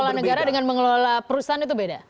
mengelola negara dengan mengelola perusahaan itu beda